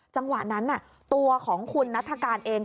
จังหวะนั้นตัวของคุณนัฐกาลเอง